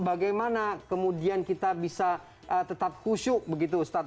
bagaimana kemudian kita bisa tetap kusyuk begitu ustadz